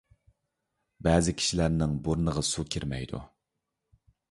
بەزى كىشىلەرنىڭ بۇرنىغا سۇ كىرمەيدۇ.